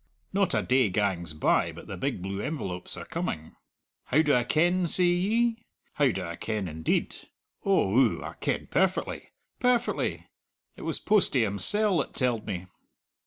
Not a day gangs by but the big blue envelopes are coming. How do I ken? say ye! How do I ken, indeed? Oh ooh, I ken perfectly. Perfectly! It was Postie himsell that telled me."